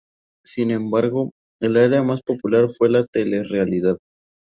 Sin embargo, el área más popular fue la telerrealidad.